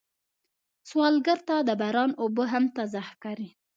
سوالګر ته د باران اوبه هم تازه ښکاري